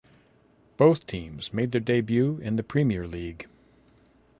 Both teams made their debut in the Premier League.